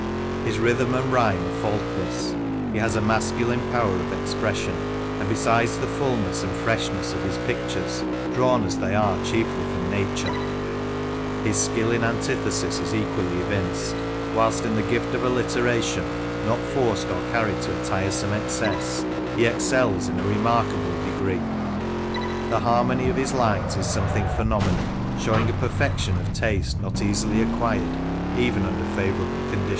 His rhythm and rhyme are faultless ; he has a mas culine power of expression; and besides the fulness and freshness of his pictures, drawn as they are chiefly from Nature, his skill in antithesis is equally evinced ; whilst in the gift of alliteration, not forced or carried to a tiresome excess, he excels in a remarkable degree. The harmony of his lines is something phenomenal, showing a perfection of taste not easily acquired even under favourable conditions.